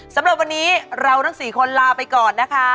สำหรับวันนี้เราทั้ง๔คนลาไปก่อนนะคะ